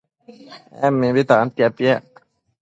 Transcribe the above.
En mimbi tantia piac